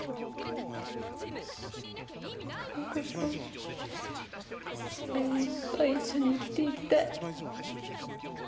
この子と精いっぱい一緒に生きて行きたい。